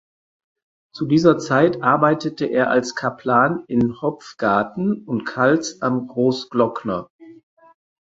Zu dieser Zeit arbeitete er als Kaplan in Hopfgarten und Kals am Großglockner.